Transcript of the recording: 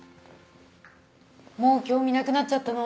もう興味なくなっちゃったの？